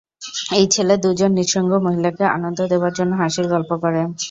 এই ছেলে দুজন নিঃসঙ্গ মহিলাকে আনন্দ দেবার জন্যে হাসির গল্প করে।